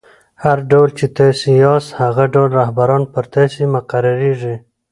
هر ډول، چي تاسي یاست؛ هغه ډول رهبران پر تاسي مقررېږي.